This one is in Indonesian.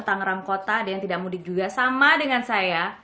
tangerang kota ada yang tidak mudik juga sama dengan saya